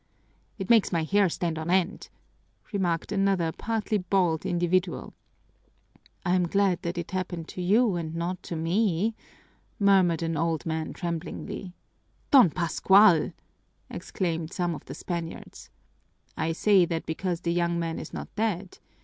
"It makes my hair stand on end!" remarked another partly bald individual. "I'm glad that it happened to you and not to me," murmured an old man tremblingly. "Don Pascual!" exclaimed some of the Spaniards. "I say that because the young man is not dead.